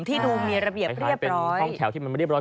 ที่ดูมีระเบียบเรียบร้อย